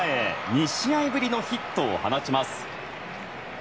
２試合ぶりのヒットを放ちます。